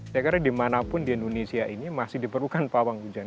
saya kira dimanapun di indonesia ini masih diperlukan pawang hujan